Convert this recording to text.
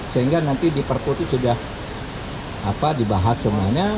sehingga nanti di perpu itu sudah dibahas semuanya